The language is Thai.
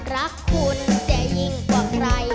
รักคุณจะยิ่งกว่าใคร